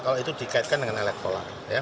kalau itu dikaitkan dengan elektoral